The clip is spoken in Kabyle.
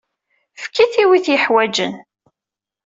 Efk-it i win ay t-yeḥwajen.